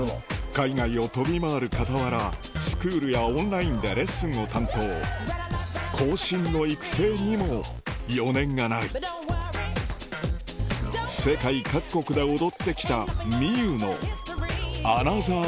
海外を飛び回る傍らスクールやオンラインでレッスンを担当後進の育成にも余念がない世界各国で踊ってきたＭｉｙｕのアナザー